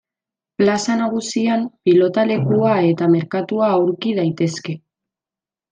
Plaza nagusian pilotalekua eta merkatua aurki daitezke.